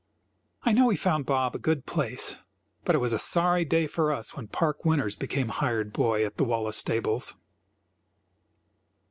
I know he found Bob a good place, but it was a sorry day for us when Park Winters became hired boy at the Wallace stables.